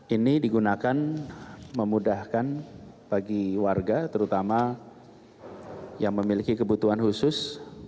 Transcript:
ini digunakan memudahkan bagi warga terutama yang memiliki kebutuhan khusus